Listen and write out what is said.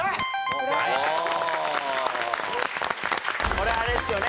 これあれですよね。